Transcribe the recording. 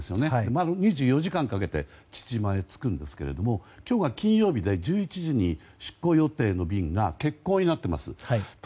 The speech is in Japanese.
丸２４時間かけて父島に着くんですが今日は金曜日で１１時に出航予定だったのが欠航になっています。